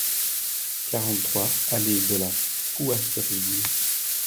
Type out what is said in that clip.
quarante-trois allée de la Fouasserie